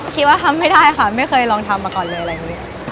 คิดว่าทำไม่ได้ค่ะไม่เคยลองทำมาก่อนเลย